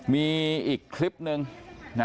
มีอีกคลิปนึงนะ